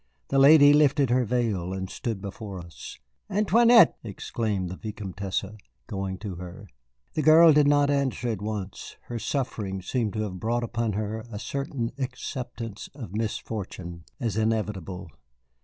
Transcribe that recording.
The lady lifted her veil and stood before us. "Antoinette!" exclaimed the Vicomtesse, going to her. The girl did not answer at once. Her suffering seemed to have brought upon her a certain acceptance of misfortune as inevitable.